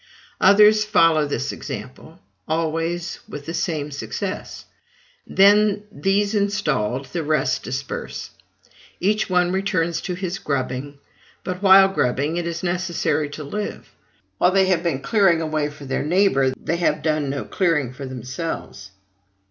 Others follow this example, always with the same success. Then, these installed, the rest disperse, each one returns to his grubbing. But, while grubbing, it is necessary to live. While they have been clearing away for their neighbor, they have done no clearing for themselves.